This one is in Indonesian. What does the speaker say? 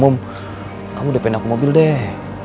umum kamu udah pengen aku mobil deh